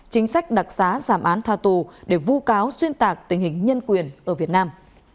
chính sách đặc xá giảm án tha tù để vu cáo xuyên tạc tình hình nhân quyền ở việt nam